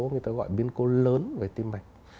người ta gọi biến cố lớn về tim mạch